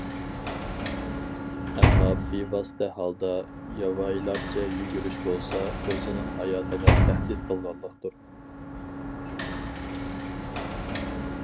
ئەمما بىۋاسىتە ھالدا ياۋايىلارچە يۈگۈرۈش بولسا، ئۆزىنىڭ ھاياتىغا تەھدىت قىلغانلىقتۇر.